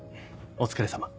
お疲れさま。